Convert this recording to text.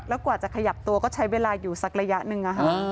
แล้วกว่าจะขยับตัวก็ใช้เวลาอยู่สักระยะหนึ่ง